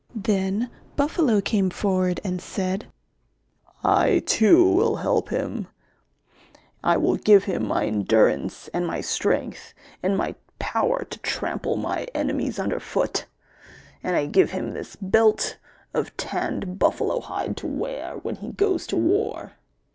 Then Buffalo came forward and said, "I too will help him. I will give him my endurance and my strength, and my power to trample my enemies underfoot. And I give him this belt of tanned buffalo hide to wear when he goes to war."